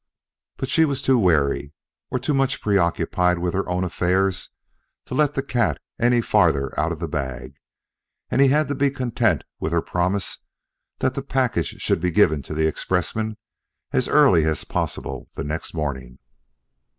But she was too wary, or too much preoccupied with her own affairs, to let the cat any farther out of the bag, and he had to be content with her promise, that the package should be given to the expressman as early as possible the next morning.